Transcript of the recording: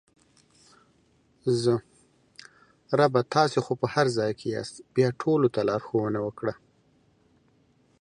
زه: ربه تاسې خو په هر ځای کې یاست بیا ټولو ته لارښوونه وکړه!